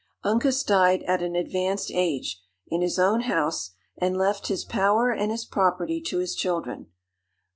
Uncas died at an advanced age, in his own house, and left his power and his property to his children.